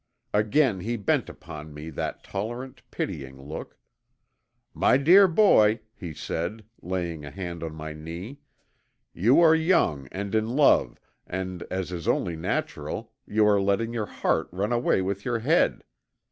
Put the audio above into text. Again he bent upon me that tolerant, pitying look. "My dear boy," he said, laying a hand on my knee, "you are young and in love and as is only natural you are letting your heart run away with your head.